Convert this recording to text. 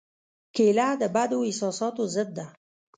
کېله د بدو احساساتو ضد ده.